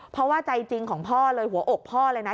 เพราะว่าใจจริงของพ่อเลยหัวอกพ่อเลยนะ